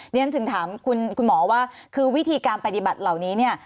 เรียนถึงถามคุณหมอว่าคือวิธีการปฏิบัติเหล่านี้เนี่ย